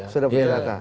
sudah punya data